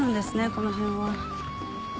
この辺は。